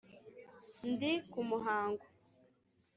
Ndi ku muhango.